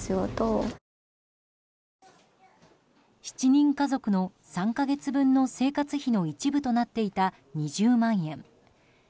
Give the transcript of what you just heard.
７人家族の３か月分の生活費の一部となっていた２０万円。